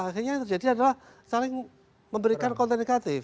akhirnya yang terjadi adalah saling memberikan konten negatif